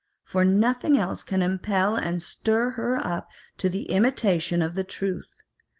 For nothing else can impel and stir her up to the imitation of the truth.